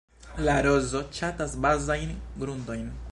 La rozo ŝatas bazajn grundojn.